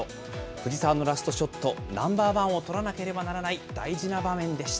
藤澤のラストショット、ナンバーワンを取らなければならない大事な場面でした。